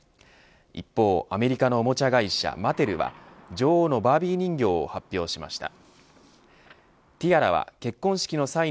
一方、アメリカのおもちゃ会社マテルは女王のバービー人形を発表しました。